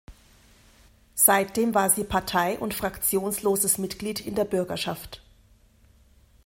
Seitdem war sie partei- und fraktionsloses Mitglied in der Bürgerschaft.